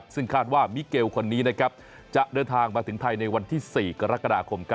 ซึ่งคาดว่ามิเกลคนนี้จะเดินทางมาถึงไทยในวันที่๔กรกฎาคม